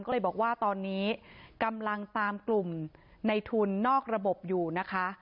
ก็เลยบอกว่าตอนนี้กำลังตามกลุ่มในทุนนอกระบบอยู่นะคะ